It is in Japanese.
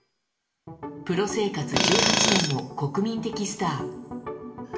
プロ生活１８年の国民的スター。